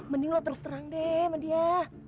mending lah terus terang deh sama dia